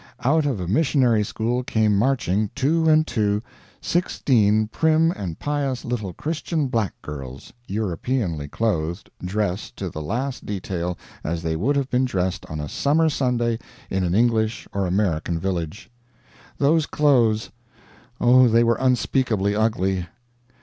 Out of a missionary school came marching, two and two, sixteen prim and pious little Christian black girls, Europeanly clothed dressed, to the last detail, as they would have been dressed on a summer Sunday in an English or American village. Those clothes oh, they were unspeakably ugly!